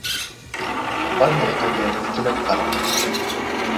Bir nuqtaga tikilib qaradi.